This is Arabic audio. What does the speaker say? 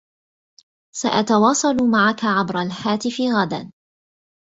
سأتواصل معك عبر الهاتف غدا.